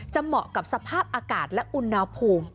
เหมาะกับสภาพอากาศและอุณหภูมิ